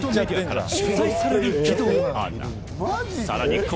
さらに。